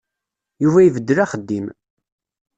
Yuba ibeddel axeddim.